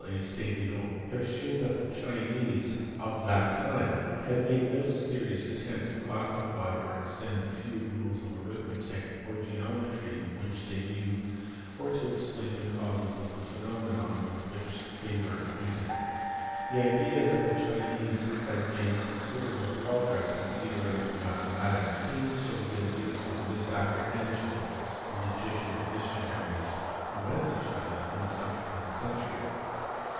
A. Sedillot* have shewn that the Chinese of that time had made no serious attempt to classify or extend the few rules of arithmetic or geometry which they knew, or to explain the causes of the phenomena with which they were acquainted. The idea that the Chinese had made considerable progress in theoretical mathematics seems to have been due to a misapprehension of the Jesuit missionaries who went to China in the sixteenth century.